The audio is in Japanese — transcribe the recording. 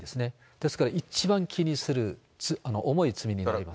ですから、一番気にする重い罪になります。